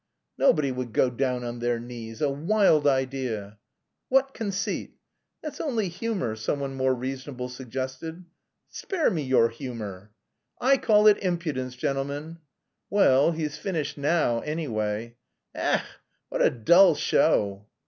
"Nobody would go down on their knees; a wild idea!" "What conceit!" "That's only humour," someone more reasonable suggested. "Spare me your humour." "I call it impudence, gentlemen!" "Well, he's finished now, anyway!" "Ech, what a dull show!"